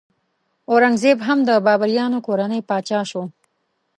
اورنګ زیب هم د بابریانو کورنۍ پاچا شو.